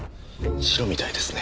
シロみたいですね。